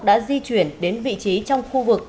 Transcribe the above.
đã di chuyển đến vị trí trong khu vực